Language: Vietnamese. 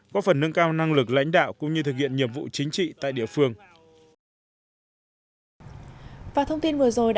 có phần nâng cao năng lực lãnh đạo cũng như thực hiện nhiệm vụ chính trị tại địa phương